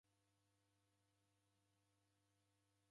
Kwakunda mufu?